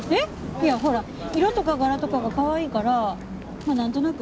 いやほら色とか柄とかがかわいいからまあなんとなく。